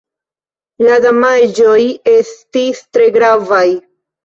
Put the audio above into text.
La damaĝoj estis tre gravaj.